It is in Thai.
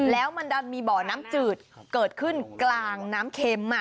แล้วมันดันมีบ่อน้ำจืดเกิดขึ้นกลางน้ำเข็ม